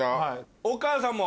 お母さんも。